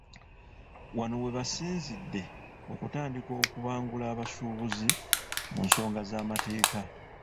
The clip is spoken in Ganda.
Wano we basinzidde okutandika okubangula abasuubuzi mu nsonga z'amateeka.